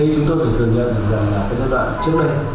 chúng tôi phải thường nhớ rằng là cái giai đoạn trước đây